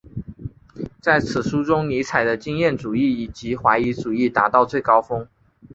在此书中尼采的经验主义及怀疑主义达到最高峰。